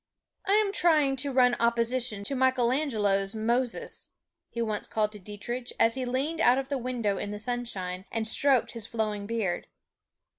"I am trying to run opposition to Michelangelo's 'Moses,'" he once called to Dietrich, as he leaned out of the window in the sunshine, and stroked his flowing beard.